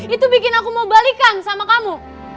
itu bikin aku mau balikan sama kamu